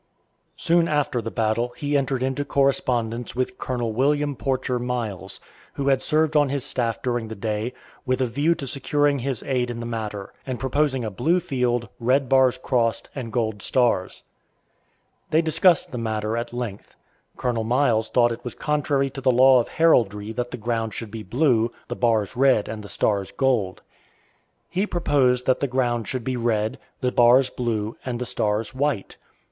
Soon after the battle he entered into correspondence with Colonel William Porcher Miles, who had served on his staff during the day, with a view to securing his aid in the matter, and proposing a blue field, red bars crossed, and gold stars. They discussed the matter at length. Colonel Miles thought it was contrary to the law of heraldry that the ground should be blue, the bars red, and the stars gold. He proposed that the ground should be red, the bars blue, and the stars white.